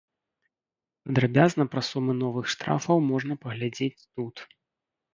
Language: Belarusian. Падрабязна пра сумы новых штрафаў можна паглядзець тут.